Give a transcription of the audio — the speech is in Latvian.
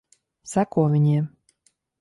Seko viņiem.